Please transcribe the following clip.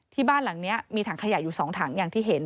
บ้านหลังนี้มีถังขยะอยู่๒ถังอย่างที่เห็น